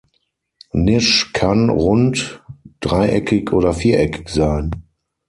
Knish kann rund, dreieckig oder viereckig sein.